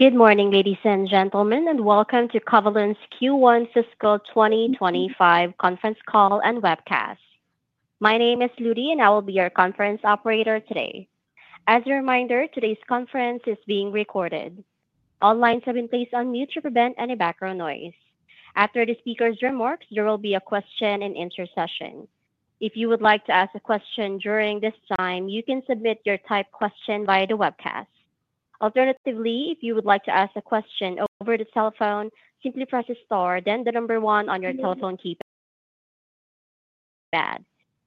Good morning, ladies and gentlemen, and welcome to Covalon's Q1 fiscal 2025 conference call and webcast. My name is Ludi, and I will be your conference operator today. As a reminder, today's conference is being recorded. All lines have been placed on mute to prevent any background noise. After the speaker's remarks, there will be a question-and-answer session. If you would like to ask a question during this time, you can submit your typed question via the webcast. Alternatively, if you would like to ask a question over the telephone, simply press star, then the number one on your telephone keypad.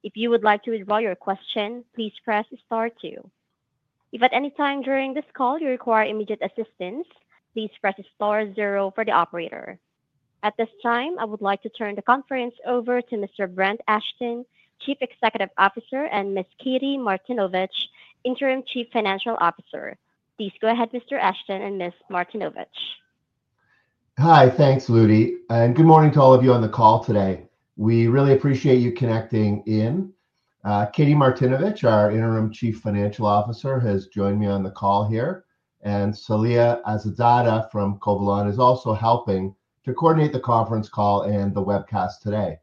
If you would like to withdraw your question, please press star two. If at any time during this call you require immediate assistance, please press star zero for the operator. At this time, I would like to turn the conference over to Mr. Brent Ashton, Chief Executive Officer, and Ms. Katie Martinovich, Interim Chief Financial Officer. Please go ahead, Mr. Ashton and Ms. Martinovich. Hi, thanks, Ludi. Good morning to all of you on the call today. We really appreciate you connecting in. Katie Martinovich, our Interim Chief Financial Officer, has joined me on the call here. Saleha Assadzada from Covalon is also helping to coordinate the conference call and the webcast today.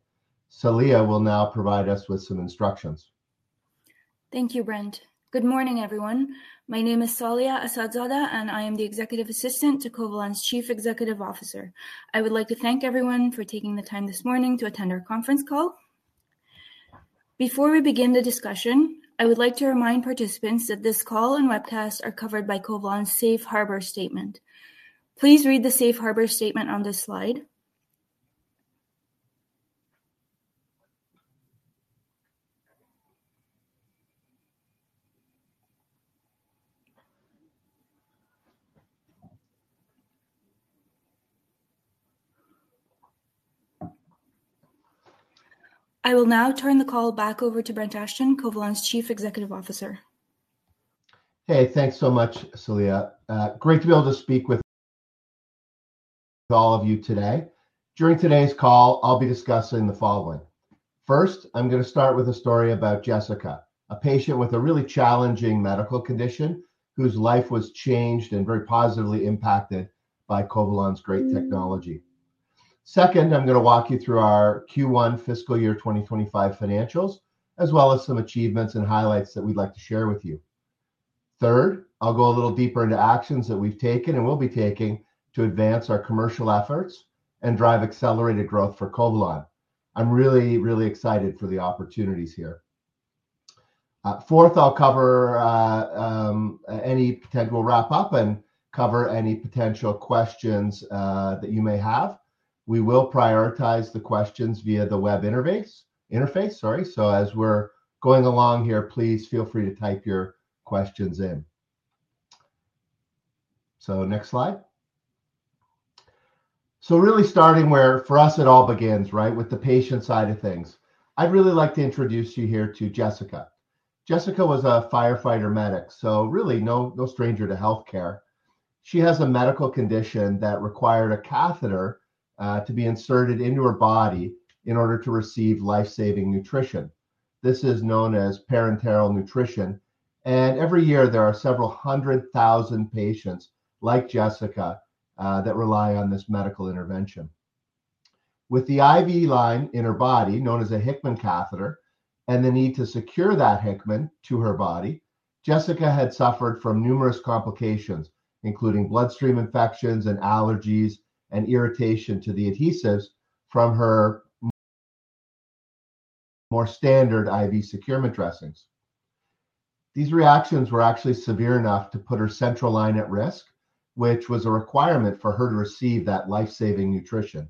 Saleha will now provide us with some instructions. Thank you, Brent. Good morning, everyone. My name is Saleha Assadzada, and I am the Executive Assistant to Covalon's Chief Executive Officer. I would like to thank everyone for taking the time this morning to attend our conference call. Before we begin the discussion, I would like to remind participants that this call and webcast are covered by Covalon's Safe Harbor Statement. Please read the Safe Harbor Statement on this slide. I will now turn the call back over to Brent Ashton, Covalon's Chief Executive Officer. Hey, thanks so much, Saleha. Great to be able to speak with all of you today. During today's call, I'll be discussing the following. First, I'm going to start with a story about Jessica, a patient with a really challenging medical condition whose life was changed and very positively impacted by Covalon's great technology. Second, I'm going to walk you through our Q1 fiscal year 2025 financials, as well as some achievements and highlights that we'd like to share with you. Third, I'll go a little deeper into actions that we've taken and will be taking to advance our commercial efforts and drive accelerated growth for Covalon. I'm really, really excited for the opportunities here. Fourth, I'll cover any potential wrap-up and cover any potential questions that you may have. We will prioritize the questions via the web interface. As we are going along here, please feel free to type your questions in. Next slide. Really starting where for us it all begins, right, with the patient side of things. I would really like to introduce you here to Jessica. Jessica was a firefighter medic, so really no stranger to healthcare. She has a medical condition that required a catheter to be inserted into her body in order to receive life-saving nutrition. This is known as parenteral nutrition. Every year, there are several hundred thousand patients like Jessica that rely on this medical intervention. With the IV line in her body known as a Hickman catheter and the need to secure that Hickman to her body, Jessica had suffered from numerous complications, including bloodstream infections and allergies and irritation to the adhesives from her more standard IV securement dressings. These reactions were actually severe enough to put her central line at risk, which was a requirement for her to receive that life-saving nutrition.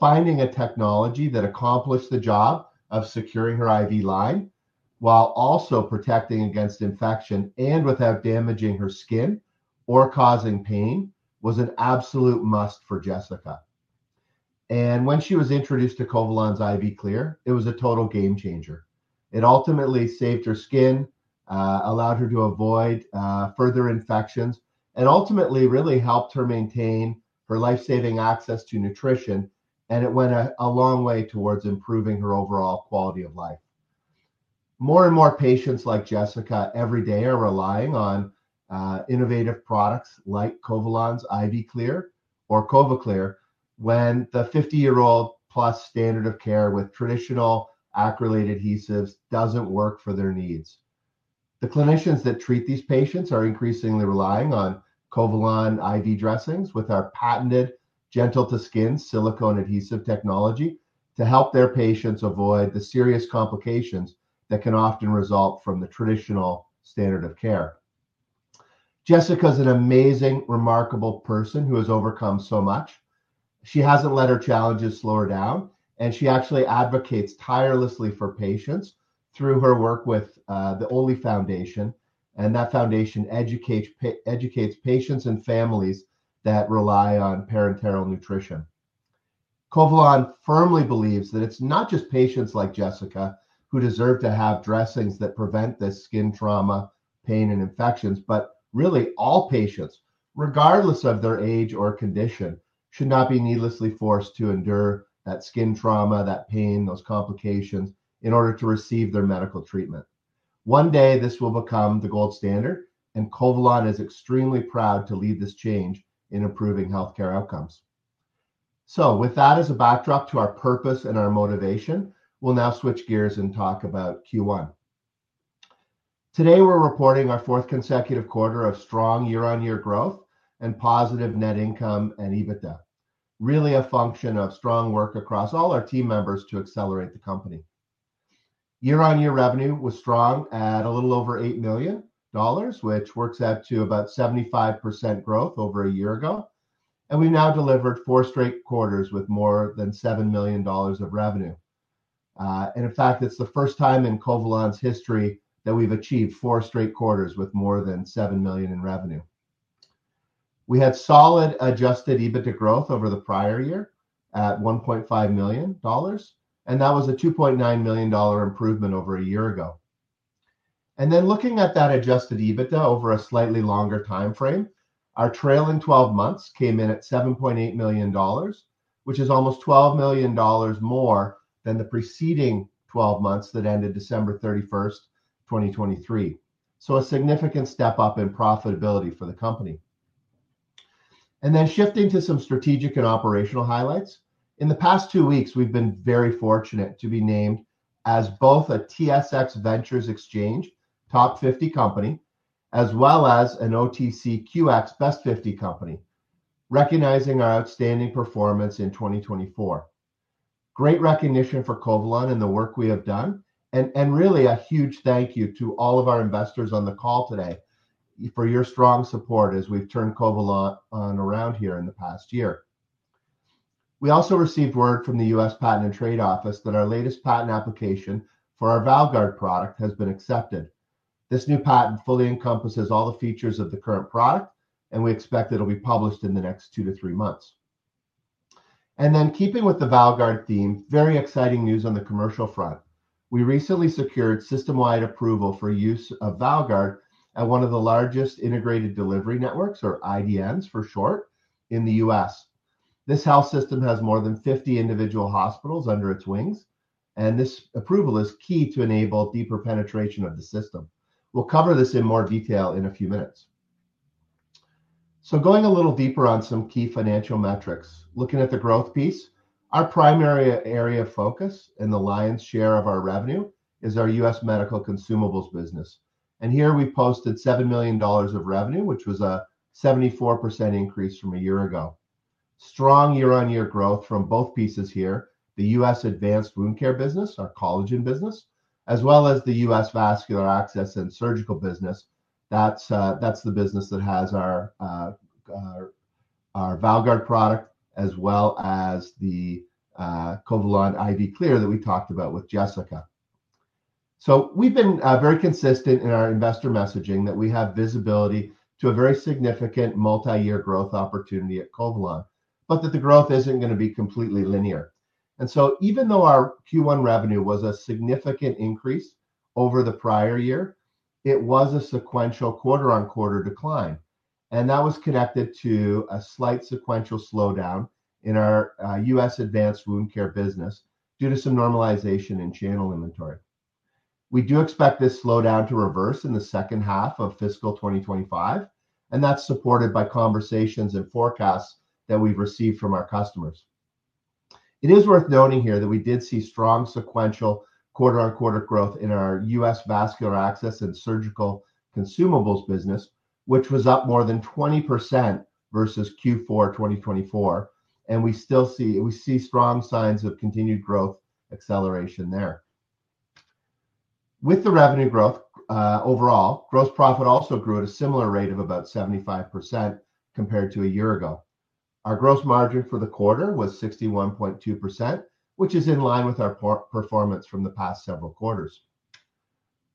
Finding a technology that accomplished the job of securing her IV line while also protecting against infection and without damaging her skin or causing pain was an absolute must for Jessica. When she was introduced to Covalon's IV Clear, it was a total game changer. It ultimately saved her skin, allowed her to avoid further infections, and ultimately really helped her maintain her life-saving access to nutrition. It went a long way towards improving her overall quality of life. More and more patients like Jessica every day are relying on innovative products like Covalon's IV Clear or CovaClear when the 50-year-old plus standard of care with traditional acrylate adhesives does not work for their needs. The clinicians that treat these patients are increasingly relying on Covalon IV dressings with our patented gentle-to-skin silicone adhesive technology to help their patients avoid the serious complications that can often result from the traditional standard of care. Jessica is an amazing, remarkable person who has overcome so much. She has not let her challenges slow her down, and she actually advocates tirelessly for patients through her work with the Oley Foundation. That foundation educates patients and families that rely on parenteral nutrition. Covalon firmly believes that it is not just patients like Jessica who deserve to have dressings that prevent this skin trauma, pain, and infections, but really all patients, regardless of their age or condition, should not be needlessly forced to endure that skin trauma, that pain, those complications in order to receive their medical treatment. One day, this will become the gold standard, and Covalon is extremely proud to lead this change in improving healthcare outcomes. With that as a backdrop to our purpose and our motivation, we'll now switch gears and talk about Q1. Today, we're reporting our fourth consecutive quarter of strong year-on-year growth and positive net income and EBITDA, really a function of strong work across all our team members to accelerate the company. Year-on-year revenue was strong at a little over 8 million dollars, which works out to about 75% growth over a year ago. We've now delivered four straight quarters with more than 7 million dollars of revenue. In fact, it's the first time in Covalon's history that we've achieved four straight quarters with more than 7 million in revenue. We had solid adjusted EBITDA growth over the prior year at $1.5 million, and that was a $2.9 million improvement over a year ago. Looking at that adjusted EBITDA over a slightly longer time frame, our trailing 12 months came in at $7.8 million, which is almost $12 million more than the preceding 12 months that ended December 31, 2023. This is a significant step up in profitability for the company. Shifting to some strategic and operational highlights, in the past two weeks, we have been very fortunate to be named as both a TSX Venture Exchange Top 50 company as well as an OTCQX Best 50 company, recognizing our outstanding performance in 2024. Great recognition for Covalon and the work we have done. A huge thank you to all of our investors on the call today for your strong support as we've turned Covalon around here in the past year. We also received word from the United States Patent and Trademark Office that our latest patent application for our ValGuard product has been accepted. This new patent fully encompasses all the features of the current product, and we expect it'll be published in the next two to three months. Keeping with the ValGuard theme, very exciting news on the commercial front. We recently secured system-wide approval for use of ValGuard at one of the largest integrated delivery networks, or IDNs for short, in the United States. This health system has more than 50 individual hospitals under its wings, and this approval is key to enable deeper penetration of the system. We'll cover this in more detail in a few minutes. Going a little deeper on some key financial metrics, looking at the growth piece, our primary area of focus and the lion's share of our revenue is our U.S. medical consumables business. Here we posted $7 million of revenue, which was a 74% increase from a year ago. Strong year-on-year growth from both pieces here, the U.S. advanced wound care business, our collagen business, as well as the U.S. vascular access and surgical business. That is the business that has our ValGuard product as well as the Covalon IV Clear that we talked about with Jessica. We have been very consistent in our investor messaging that we have visibility to a very significant multi-year growth opportunity at Covalon, but that the growth is not going to be completely linear. Even though our Q1 revenue was a significant increase over the prior year, it was a sequential quarter-on-quarter decline. That was connected to a slight sequential slowdown in our U.S. advanced wound care business due to some normalization in channel inventory. We do expect this slowdown to reverse in the second half of fiscal 2025, and that is supported by conversations and forecasts that we have received from our customers. It is worth noting here that we did see strong sequential quarter-on-quarter growth in our U.S. vascular access and surgical consumables business, which was up more than 20% versus Q4 2024. We see strong signs of continued growth acceleration there. With the revenue growth overall, gross profit also grew at a similar rate of about 75% compared to a year ago. Our gross margin for the quarter was 61.2%, which is in line with our performance from the past several quarters.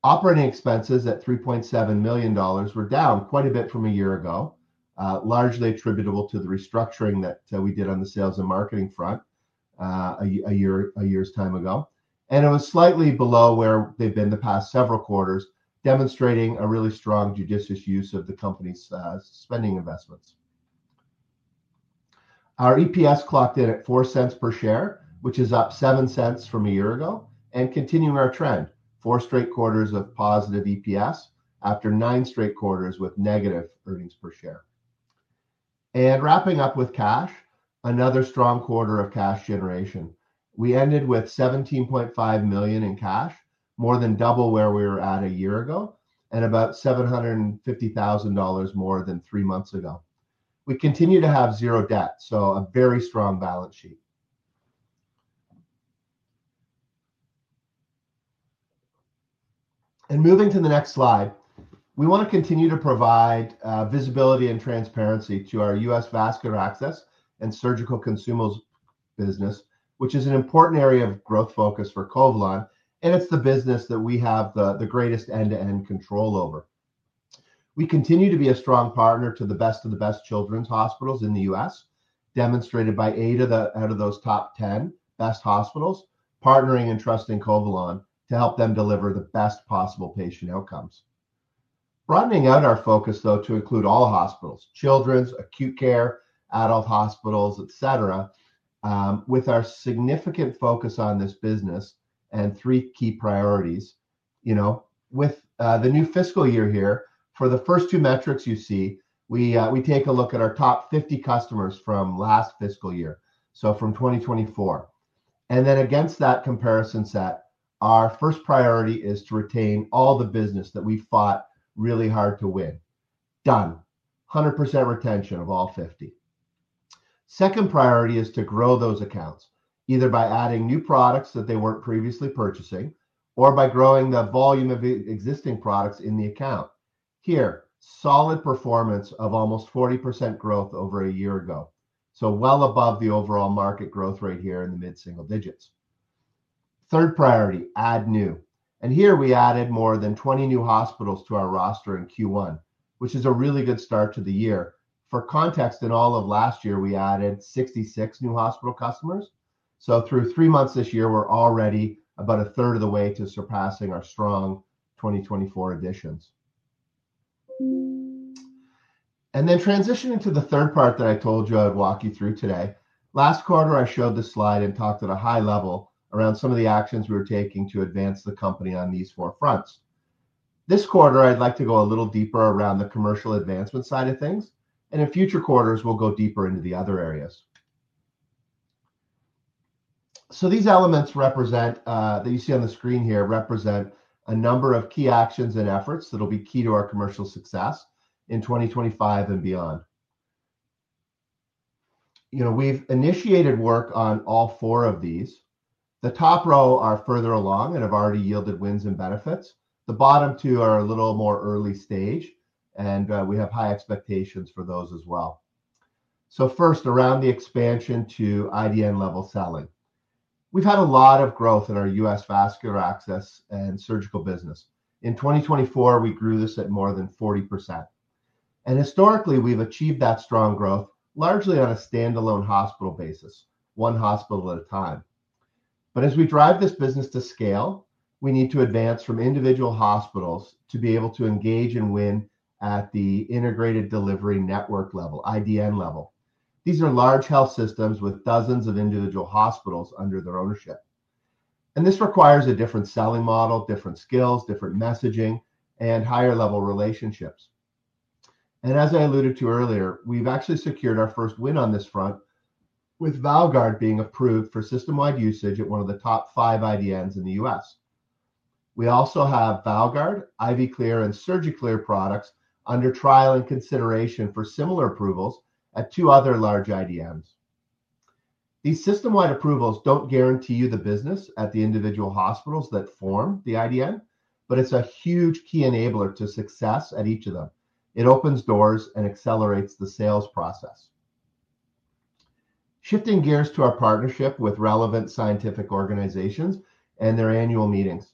Operating expenses at 3.7 million dollars were down quite a bit from a year ago, largely attributable to the restructuring that we did on the sales and marketing front a year's time ago. It was slightly below where they've been the past several quarters, demonstrating a really strong judicious use of the company's spending investments. Our EPS clocked in at $0.04 per share, which is up $0.07 from a year ago, and continuing our trend, four straight quarters of positive EPS after nine straight quarters with negative earnings per share. Wrapping up with cash, another strong quarter of cash generation. We ended with 17.5 million in cash, more than double where we were at a year ago, and about 750,000 dollars more than three months ago. We continue to have zero debt, so a very strong balance sheet. Moving to the next slide, we want to continue to provide visibility and transparency to our U.S. vascular access and surgical consumables business, which is an important area of growth focus for Covalon. It is the business that we have the greatest end-to-end control over. We continue to be a strong partner to the best of the best children's hospitals in the U.S., demonstrated by eight out of those top 10 best hospitals partnering and trusting Covalon to help them deliver the best possible patient outcomes. Broadening out our focus, though, to include all hospitals, children's, acute care, adult hospitals, etc., with our significant focus on this business and three key priorities. With the new fiscal year here, for the first two metrics you see, we take a look at our top 50 customers from last fiscal year, so from 2024. Against that comparison set, our first priority is to retain all the business that we fought really hard to win. Done. 100% retention of all 50. Second priority is to grow those accounts, either by adding new products that they were not previously purchasing or by growing the volume of existing products in the account. Here, solid performance of almost 40% growth over a year ago, so well above the overall market growth rate here in the mid-single digits. Third priority, add new. Here we added more than 20 new hospitals to our roster in Q1, which is a really good start to the year. For context, in all of last year, we added 66 new hospital customers. Through three months this year, we are already about a third of the way to surpassing our strong 2024 additions. Then transitioning to the third part that I told you I'd walk you through today. Last quarter, I showed this slide and talked at a high level around some of the actions we were taking to advance the company on these four fronts. This quarter, I'd like to go a little deeper around the commercial advancement side of things. In future quarters, we'll go deeper into the other areas. These elements that you see on the screen here represent a number of key actions and efforts that will be key to our commercial success in 2025 and beyond. We've initiated work on all four of these. The top row are further along and have already yielded wins and benefits. The bottom two are a little more early stage, and we have high expectations for those as well. First, around the expansion to IDN-level selling. We've had a lot of growth in our U.S. vascular access and surgical business. In 2024, we grew this at more than 40%. Historically, we've achieved that strong growth largely on a standalone hospital basis, one hospital at a time. As we drive this business to scale, we need to advance from individual hospitals to be able to engage and win at the integrated delivery network level, IDN level. These are large health systems with dozens of individual hospitals under their ownership. This requires a different selling model, different skills, different messaging, and higher-level relationships. As I alluded to earlier, we've actually secured our first win on this front, with ValGuard being approved for system-wide usage at one of the top five IDNs in the U.S.. We also have ValGuard, IV Clear, and SurgiClear products under trial and consideration for similar approvals at two other large IDNs. These system-wide approvals do not guarantee you the business at the individual hospitals that form the IDN, but it is a huge key enabler to success at each of them. It opens doors and accelerates the sales process. Shifting gears to our partnership with relevant scientific organizations and their annual meetings.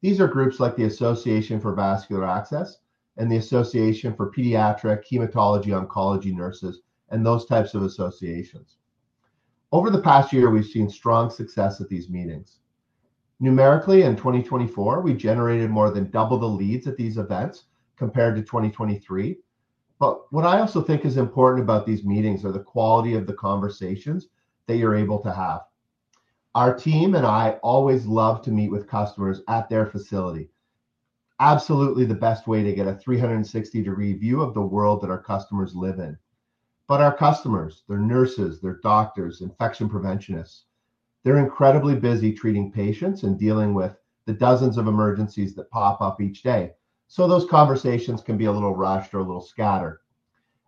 These are groups like the Association for Vascular Access and the Association for Pediatric Hematology Oncology Nurses and those types of associations. Over the past year, we have seen strong success at these meetings. Numerically, in 2024, we generated more than double the leads at these events compared to 2023. What I also think is important about these meetings are the quality of the conversations that you are able to have. Our team and I always love to meet with customers at their facility. Absolutely the best way to get a 360-degree view of the world that our customers live in. Our customers, their nurses, their doctors, infection preventionists, they're incredibly busy treating patients and dealing with the dozens of emergencies that pop up each day. Those conversations can be a little rushed or a little scattered.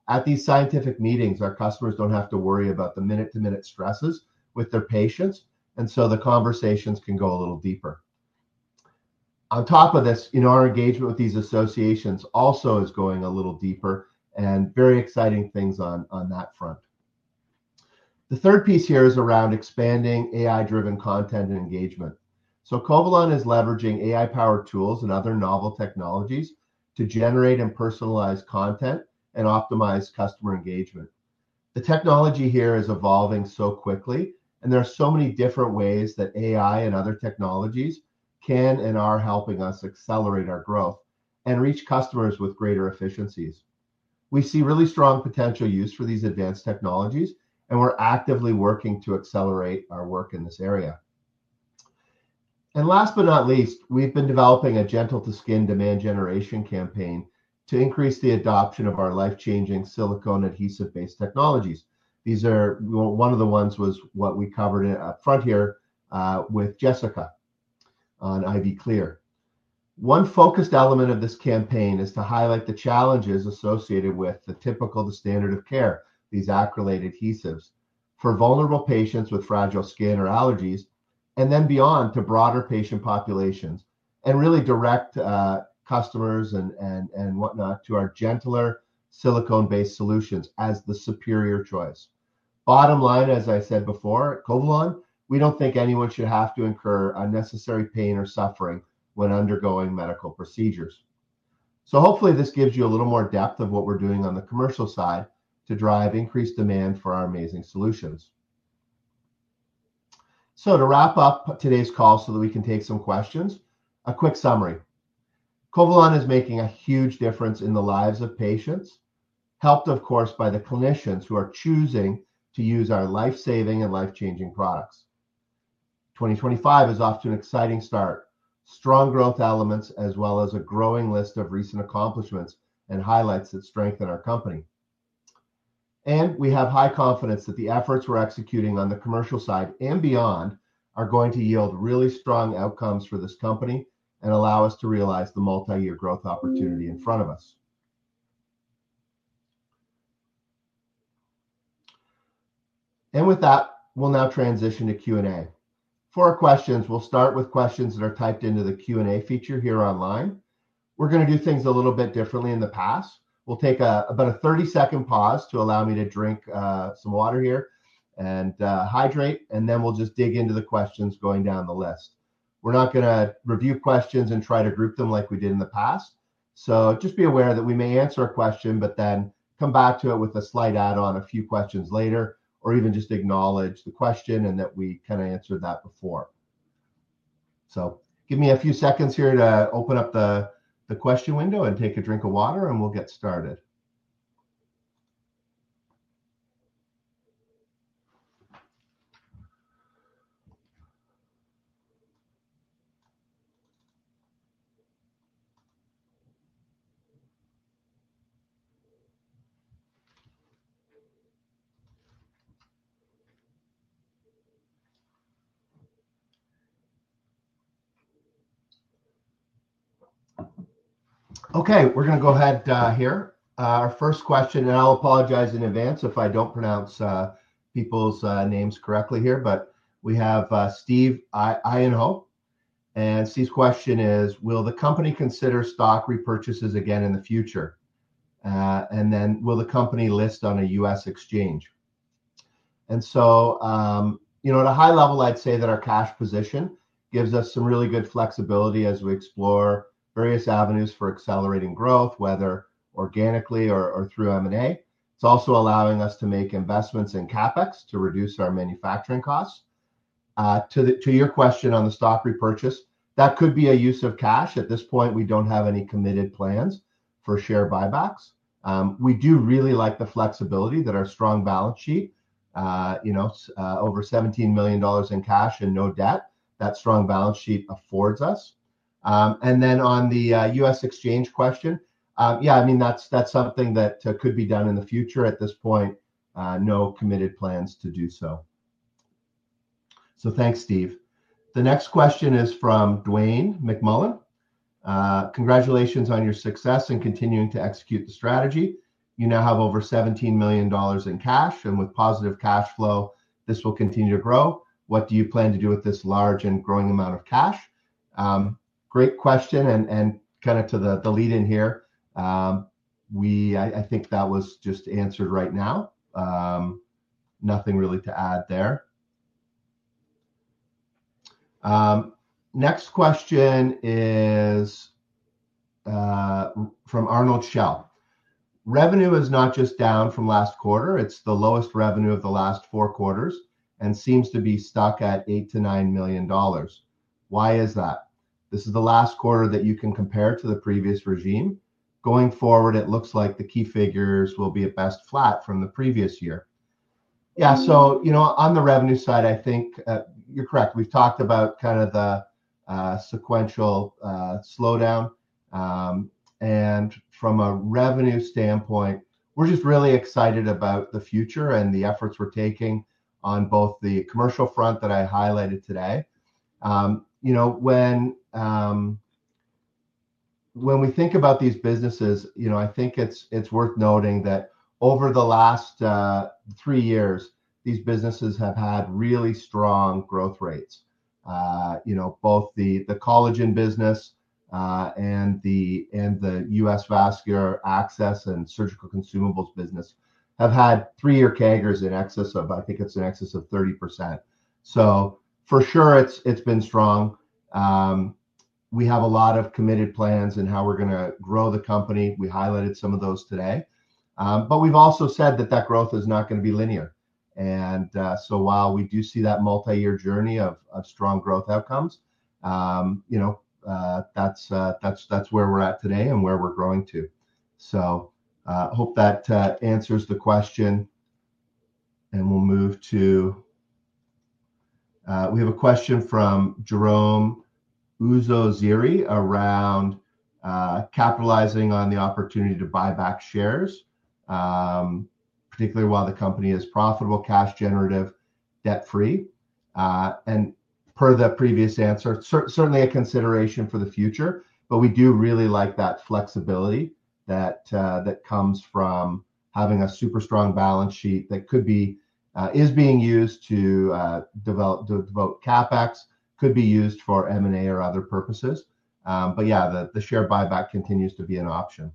At these scientific meetings, our customers don't have to worry about the minute-to-minute stresses with their patients, and the conversations can go a little deeper. On top of this, our engagement with these associations also is going a little deeper and very exciting things on that front. The third piece here is around expanding AI-driven content and engagement. Covalon is leveraging AI-powered tools and other novel technologies to generate and personalize content and optimize customer engagement. The technology here is evolving so quickly, and there are so many different ways that AI and other technologies can and are helping us accelerate our growth and reach customers with greater efficiencies. We see really strong potential use for these advanced technologies, and we're actively working to accelerate our work in this area. Last but not least, we've been developing a gentle-to-skin demand generation campaign to increase the adoption of our life-changing silicone adhesive-based technologies. One of the ones was what we covered up front here with Jessica on IV Clear. One focused element of this campaign is to highlight the challenges associated with the typical standard of care, these acrylate adhesives, for vulnerable patients with fragile skin or allergies, and then beyond to broader patient populations and really direct customers and whatnot to our gentler silicone-based solutions as the superior choice. Bottom line, as I said before, at Covalon, we do not think anyone should have to incur unnecessary pain or suffering when undergoing medical procedures. Hopefully, this gives you a little more depth of what we are doing on the commercial side to drive increased demand for our amazing solutions. To wrap up today's call so that we can take some questions, a quick summary. Covalon is making a huge difference in the lives of patients, helped, of course, by the clinicians who are choosing to use our life-saving and life-changing products. 2025 is off to an exciting start, strong growth elements, as well as a growing list of recent accomplishments and highlights that strengthen our company. We have high confidence that the efforts we're executing on the commercial side and beyond are going to yield really strong outcomes for this company and allow us to realize the multi-year growth opportunity in front of us. With that, we'll now transition to Q&A. For our questions, we'll start with questions that are typed into the Q&A feature here online. We're going to do things a little bit differently than in the past. We'll take about a 30-second pause to allow me to drink some water here and hydrate, and then we'll just dig into the questions going down the list. We're not going to review questions and try to group them like we did in the past. Just be aware that we may answer a question, but then come back to it with a slight add-on a few questions later or even just acknowledge the question and that we kind of answered that before. Give me a few seconds here to open up the question window and take a drink of water, and we'll get started. Okay, we're going to go ahead here. Our first question, and I'll apologize in advance if I don't pronounce people's names correctly here, but we have Steve Ijenho. Steve's question is, "Will the company consider stock repurchases again in the future? And then will the company list on a U.S. exchange?" At a high level, I'd say that our cash position gives us some really good flexibility as we explore various avenues for accelerating growth, whether organically or through M&A. It's also allowing us to make investments in CapEx to reduce our manufacturing costs. To your question on the stock repurchase, that could be a use of cash. At this point, we do not have any committed plans for share buybacks. We do really like the flexibility that our strong balance sheet, over 17 million dollars in cash and no debt, that strong balance sheet affords us. On the U.S. exchange question, yeah, I mean, that's something that could be done in the future. At this point, no committed plans to do so. Thanks, Steve. The next question is from Duane McMullen. "Congratulations on your success in continuing to execute the strategy. You now have over 17 million dollars in cash, and with positive cash flow, this will continue to grow. What do you plan to do with this large and growing amount of cash?" Great question. Kind of to the lead-in here, I think that was just answered right now. Nothing really to add there. Next question is from Arnold Schell. "Revenue is not just down from last quarter. It's the lowest revenue of the last four quarters and seems to be stuck at $8 million-$9 million. Why is that? This is the last quarter that you can compare to the previous regime. Going forward, it looks like the key figures will be at best flat from the previous year." Yeah, on the revenue side, I think you're correct. We've talked about kind of the sequential slowdown. From a revenue standpoint, we're just really excited about the future and the efforts we're taking on both the commercial front that I highlighted today. When we think about these businesses, I think it's worth noting that over the last three years, these businesses have had really strong growth rates. Both the collagen business and the U.S. vascular access and surgical consumables business have had three-year CAGRs in excess of, I think it's in excess of 30%. For sure, it's been strong. We have a lot of committed plans in how we're going to grow the company. We highlighted some of those today. We've also said that that growth is not going to be linear. While we do see that multi-year journey of strong growth outcomes, that's where we're at today and where we're growing to. I hope that answers the question, and we'll move to we have a question from Jerome Uzoziri around capitalizing on the opportunity to buy back shares, particularly while the company is profitable, cash-generative, debt-free. Per the previous answer, certainly a consideration for the future, but we do really like that flexibility that comes from having a super strong balance sheet that is being used to devote CapEx, could be used for M&A or other purposes. Yeah, the share buyback continues to be an option.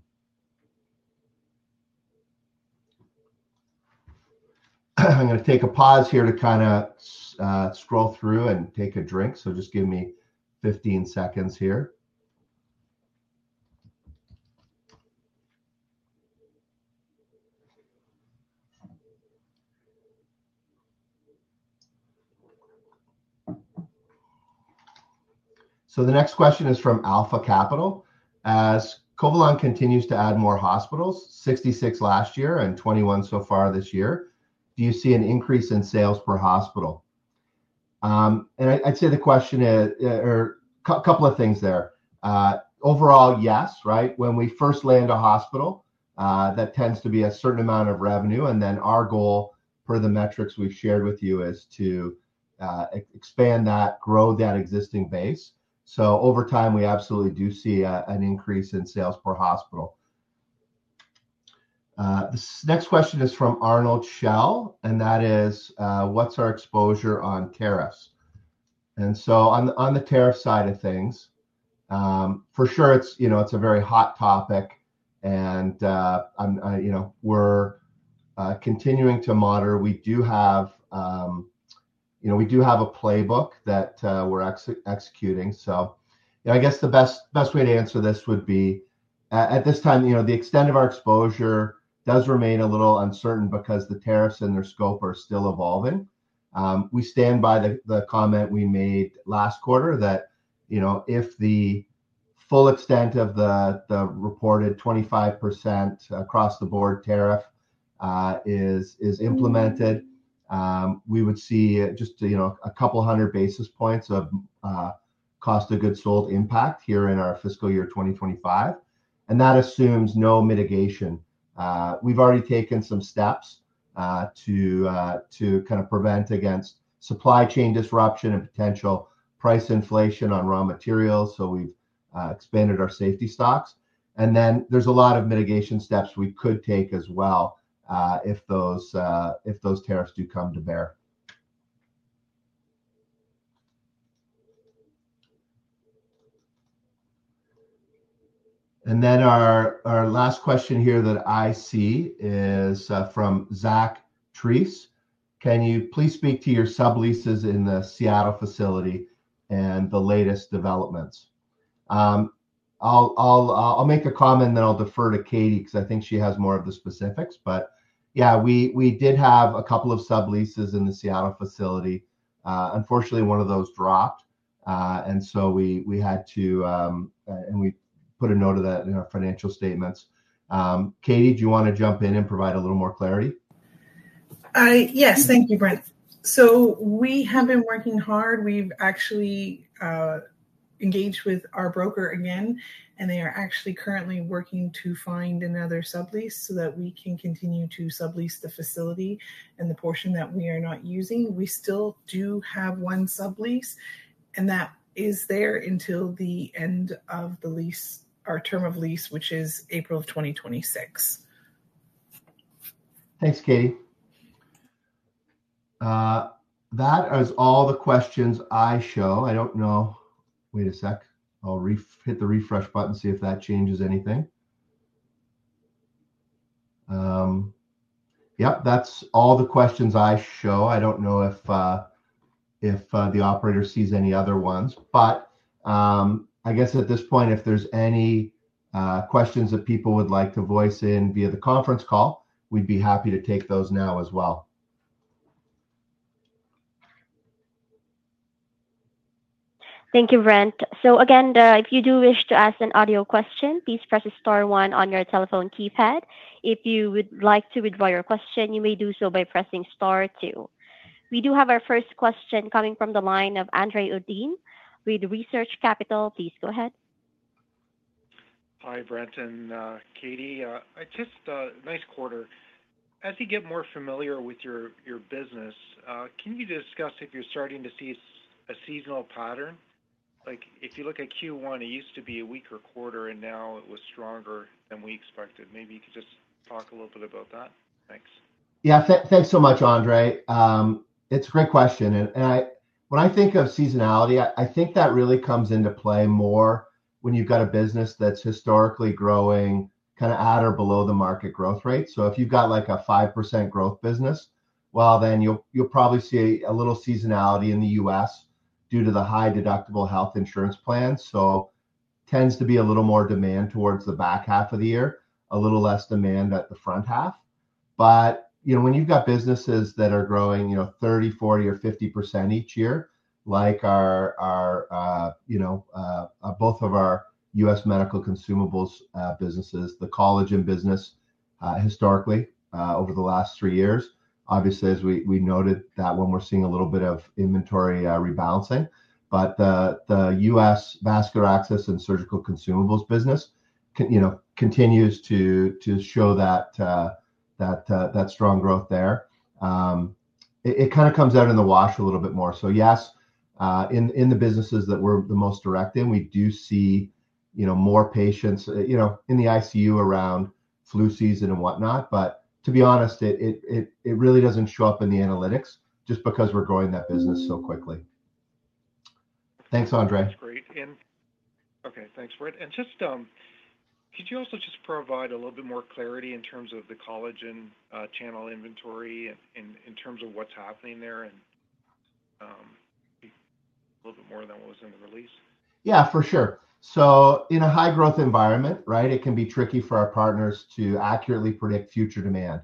I'm going to take a pause here to kind of scroll through and take a drink. Just give me 15 seconds here. The next question is from Alpha Capital. "As Covalon continues to add more hospitals, 66 last year and 21 so far this year, do you see an increase in sales per hospital?" I'd say the question is a couple of things there. Overall, yes, right? When we first land a hospital, that tends to be a certain amount of revenue. Our goal, per the metrics we've shared with you, is to expand that, grow that existing base. Over time, we absolutely do see an increase in sales per hospital. This next question is from Arnold Schell, and that is, "What's our exposure on tariffs?" On the tariff side of things, for sure, it's a very hot topic, and we're continuing to monitor. We do have a playbook that we're executing. I guess the best way to answer this would be, at this time, the extent of our exposure does remain a little uncertain because the tariffs and their scope are still evolving. We stand by the comment we made last quarter that if the full extent of the reported 25% across-the-board tariff is implemented, we would see just a couple hundred basis points of cost of goods sold impact here in our fiscal year 2025. That assumes no mitigation. We've already taken some steps to kind of prevent against supply chain disruption and potential price inflation on raw materials. We have expanded our safety stocks. There are a lot of mitigation steps we could take as well if those tariffs do come to bear. Our last question here that I see is from Zach Treece. "Can you please speak to your subleases in the Seattle facility and the latest developments?" I'll make a comment, then I'll defer to Katie because I think she has more of the specifics. Yeah, we did have a couple of subleases in the Seattle facility. Unfortunately, one of those dropped, and we put a note of that in our financial statements. Katie, do you want to jump in and provide a little more clarity? Yes, thank you, Brent. We have been working hard. We've actually engaged with our broker again, and they are currently working to find another sublease so that we can continue to sublease the facility and the portion that we are not using. We still do have one sublease, and that is there until the end of the lease, our term of lease, which is April of 2026. Thanks, Katie. That is all the questions I show. I don't know. Wait a sec. I'll hit the refresh button, see if that changes anything. Yep, that's all the questions I show. I don't know if the operator sees any other ones. I guess at this point, if there's any questions that people would like to voice in via the conference call, we'd be happy to take those now as well. Thank you, Brent. Again, if you do wish to ask an audio question, please press Star one on your telephone keypad. If you would like to withdraw your question, you may do so by pressing Star two. We do have our first question coming from the line of Andre Uddin with Research Capital. Please go ahead. Hi, Brent and Katie. Just a nice quarter. As you get more familiar with your business, can you discuss if you're starting to see a seasonal pattern? If you look at Q1, it used to be a weaker quarter, and now it was stronger than we expected. Maybe you could just talk a little bit about that. Thanks. Yeah, thanks so much, Andre. It's a great question. When I think of seasonality, I think that really comes into play more when you've got a business that's historically growing kind of at or below the market growth rate. If you've got a 5% growth business, you'll probably see a little seasonality in the U.S. due to the high deductible health insurance plans. It tends to be a little more demand towards the back half of the year, a little less demand at the front half. When you've got businesses that are growing 30%, 40%, or 50% each year, like both of our U.S. medical consumables businesses, the collagen business historically over the last three years, obviously, as we noted, that one we're seeing a little bit of inventory rebalancing. The U.S. vascular access and surgical consumables business continues to show that strong growth there. It kind of comes out in the wash a little bit more. Yes, in the businesses that we're the most direct in, we do see more patients in the ICU around flu season and whatnot. To be honest, it really doesn't show up in the analytics just because we're growing that business so quickly. Thanks, Andre. That's great. Thanks, Brent. Could you also just provide a little bit more clarity in terms of the collagen channel inventory and in terms of what's happening there and a little bit more than what was in the release? For sure. In a high-growth environment, right, it can be tricky for our partners to accurately predict future demand.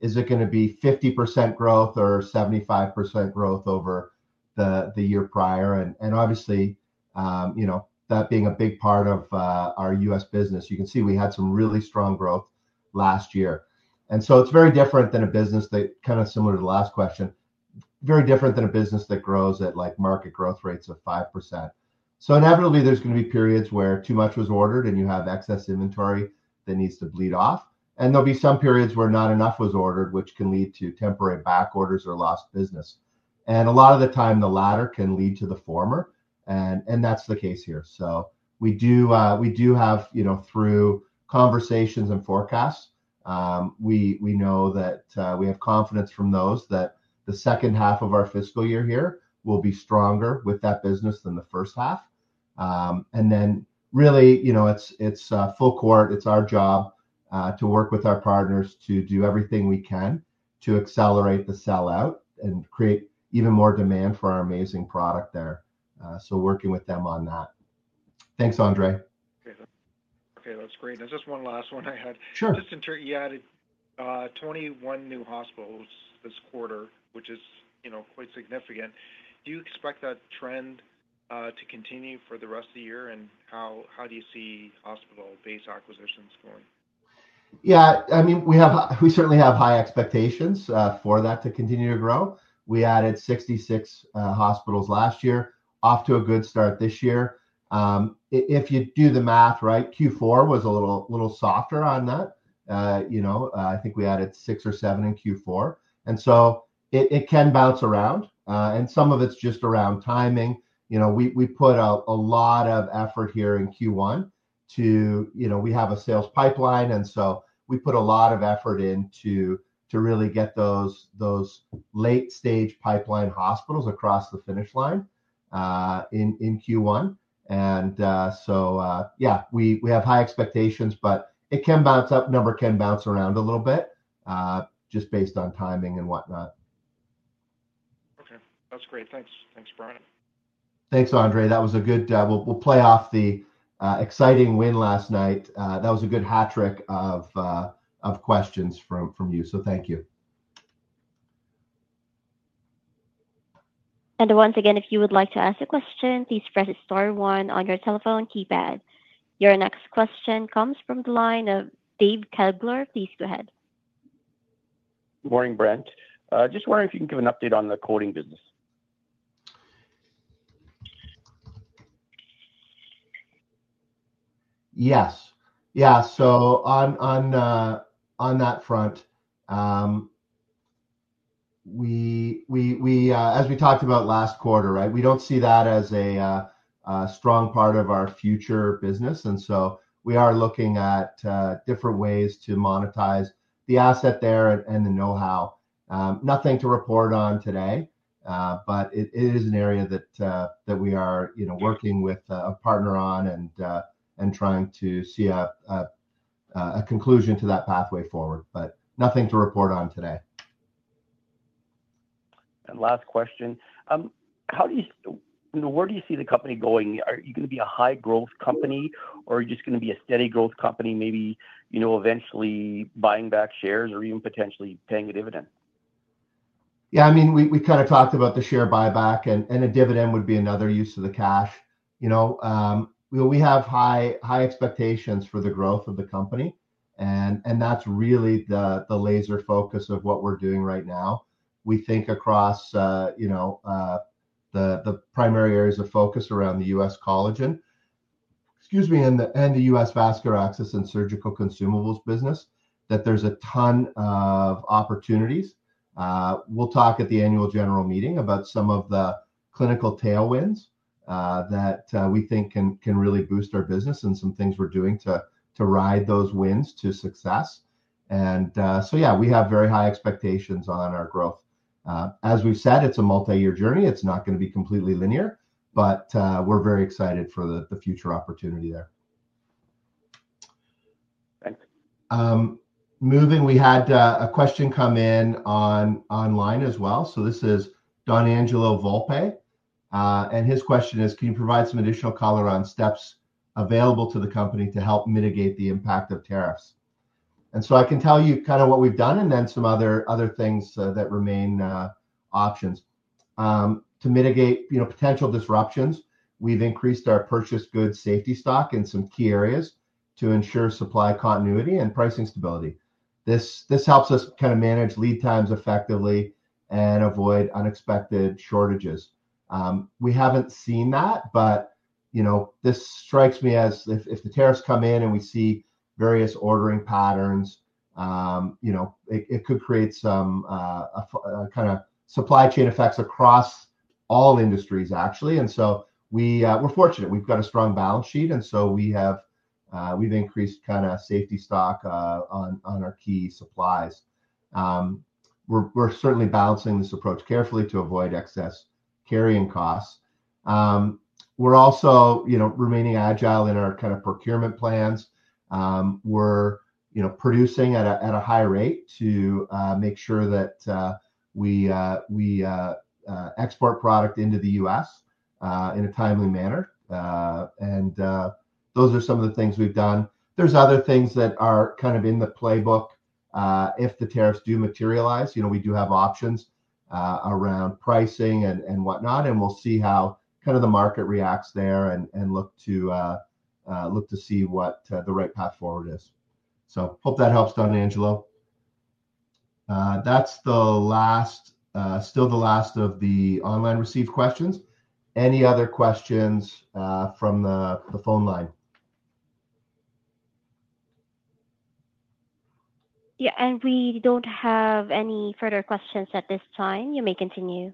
Is it going to be 50% growth or 75% growth over the year prior? Obviously, that being a big part of our U.S. business, you can see we had some really strong growth last year. It is very different than a business that, kind of similar to the last question, is very different than a business that grows at market growth rates of 5%. Inevitably, there are going to be periods where too much was ordered and you have excess inventory that needs to bleed off. There will be some periods where not enough was ordered, which can lead to temporary back orders or lost business. A lot of the time, the latter can lead to the former, and that is the case here. We do have, through conversations and forecasts, we know that we have confidence from those that the second half of our fiscal year here will be stronger with that business than the first half. It is full court. It is our job to work with our partners to do everything we can to accelerate the sellout and create even more demand for our amazing product there. Working with them on that. Thanks, Andre. Okay, that's great. Just one last one I had. Just to check, you added 21 new hospitals this quarter, which is quite significant. Do you expect that trend to continue for the rest of the year, and how do you see hospital-based acquisitions going? I mean, we certainly have high expectations for that to continue to grow. We added 66 hospitals last year, off to a good start this year. If you do the math, right, Q4 was a little softer on that. I think we added six or seven in Q4. It can bounce around, and some of it's just around timing. We put a lot of effort here in Q1 to we have a sales pipeline, and we put a lot of effort into really get those late-stage pipeline hospitals across the finish line in Q1. We have high expectations, but it can bounce up. Number can bounce around a little bit just based on timing and whatnot. Okay, that's great. Thanks, Brent. Thanks, Andre. That was a good we'll play off the exciting win last night. That was a good hat trick of questions from you. Thank you. Once again, if you would like to ask a question, please press Star one on your telephone keypad. Your next question comes from the line of Dave Kellger. Please go ahead. Good morning, Brent. Just wondering if you can give an update on the quoting business. Yes. Yeah. On that front, as we talked about last quarter, right, we do not see that as a strong part of our future business. We are looking at different ways to monetize the asset there and the know-how. Nothing to report on today, but it is an area that we are working with a partner on and trying to see a conclusion to that pathway forward, but nothing to report on today. Last question. Where do you see the company going? Are you going to be a high-growth company, or are you just going to be a steady-growth company, maybe eventually buying back shares or even potentially paying a dividend? Yeah, I mean, we kind of talked about the share buyback, and a dividend would be another use of the cash. We have high expectations for the growth of the company, and that's really the laser focus of what we're doing right now. We think across the primary areas of focus around the U.S. collagen, excuse me, and the U.S. vascular access and surgical consumables business, that there's a ton of opportunities. We will talk at the annual general meeting about some of the clinical tailwinds that we think can really boost our business and some things we're doing to ride those winds to success. Yeah, we have very high expectations on our growth. As we've said, it's a multi-year journey. It's not going to be completely linear, but we're very excited for the future opportunity there. Thanks. Moving, we had a question come in online as well. This is Don Angelo Volpe, and his question is, "Can you provide some additional color on steps available to the company to help mitigate the impact of tariffs?" I can tell you kind of what we've done and then some other things that remain options. To mitigate potential disruptions, we've increased our purchase goods safety stock in some key areas to ensure supply continuity and pricing stability. This helps us kind of manage lead times effectively and avoid unexpected shortages. We haven't seen that, but this strikes me as if the tariffs come in and we see various ordering patterns, it could create some kind of supply chain effects across all industries, actually. We're fortunate. We've got a strong balance sheet, and we've increased kind of safety stock on our key supplies. We're certainly balancing this approach carefully to avoid excess carrying costs. We're also remaining agile in our kind of procurement plans. We're producing at a high rate to make sure that we export product into the U.S. in a timely manner. Those are some of the things we've done. There are other things that are kind of in the playbook. If the tariffs do materialize, we do have options around pricing and whatnot, and we'll see how kind of the market reacts there and look to see what the right path forward is. Hope that helps, Don Angelo. That's still the last of the online received questions. Any other questions from the phone line? Yeah, we don't have any further questions at this time. You may continue.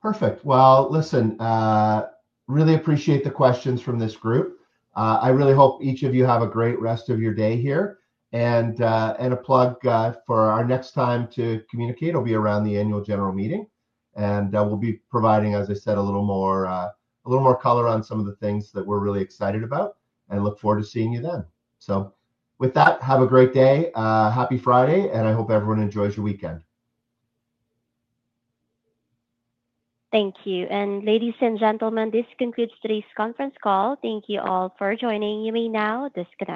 Perfect. Really appreciate the questions from this group. I really hope each of you have a great rest of your day here. A plug for our next time to communicate will be around the annual general meeting. We will be providing, as I said, a little more color on some of the things that we are really excited about and look forward to seeing you then. With that, have a great day. Happy Friday, and I hope everyone enjoys your weekend. Thank you. Ladies and gentlemen, this concludes today's conference call. Thank you all for joining. You may now disconnect.